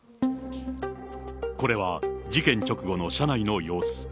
これは、事件直後の車内の様子。